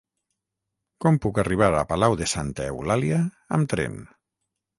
Com puc arribar a Palau de Santa Eulàlia amb tren?